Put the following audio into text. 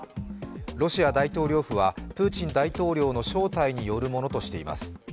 ロシア大統領府はプーチン大統領の招待によるものとしています。